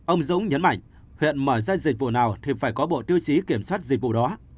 ông dũng nhấn mạnh huyện mở ra dịch vụ nào thì phải có bộ tiêu chí kiểm soát dịch vụ đó